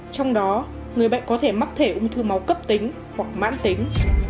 trong đó người bệnh có thể mắc thể ung thư máu cấp tính hoặc mãn tính